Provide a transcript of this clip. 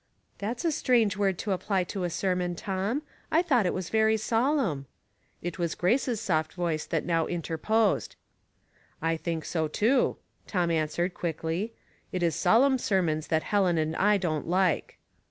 " That's a strange word to apply to a sermon, Tom. I thought it was very solemn." It was Grace's soft voice that now interposed. " I think so, too," Tom answered, quickly. '* It is solemn sermons that Helen and I don't like."